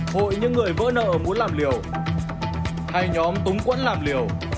hội những người vỡ nợ muốn làm liều hay nhóm túng quẫn làm liều